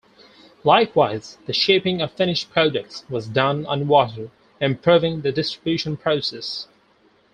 Likewise, the shipping of finished products was done on water, improving the distribution process.